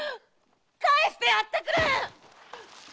帰してやってくれ！